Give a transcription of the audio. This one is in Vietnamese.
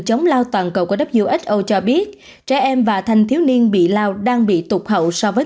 chống lao toàn cầu của who cho biết trẻ em và thanh thiếu niên bị lao đang bị tụt hậu so với